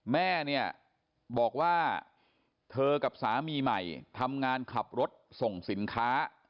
แม่เนี่ยบอกว่าเธอกับสามีใหม่ทำงานขับรถส่งสินค้า